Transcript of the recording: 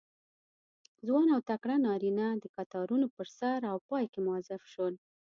ځوان او تکړه نارینه د کتارونو په سر او پای کې موظف شول.